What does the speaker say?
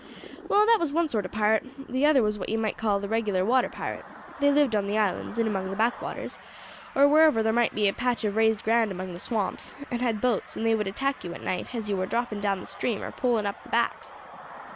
"Well, that was one sort of pirate. The other was what you may call the regular water pirate. They lived on the islands, in among the back waters, or where ever thar might be a patch of raised ground among the swamps, and had boats; and they would attack you at night as you war dropping down the stream or poling up the backs.